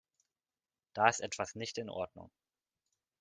Da ist etwas nicht in Ordnung.